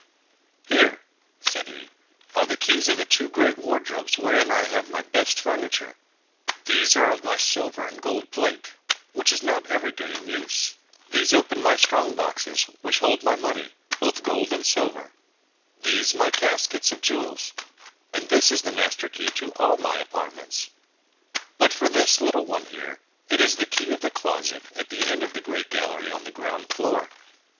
"Here," said he, "are the keys of the two great wardrobes, wherein I have my best furniture; these are of my silver and gold plate, which is not every day in use; these open my strong boxes, which hold my money, both gold and silver; these my caskets of jewels; and this is the master key to all my apartments. But for this little one here, it is the key of the closet at the end of the great gallery on the ground floor.